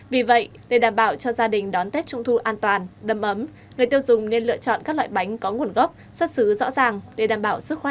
vì vậy để đảm bảo cho gia đình đón tết trung thu an toàn đâm ấm người tiêu dùng nên lựa chọn các loại bánh có nguồn gốc xuất xứ rõ ràng để đảm bảo sức khỏe